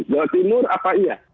jumlah timur apa iya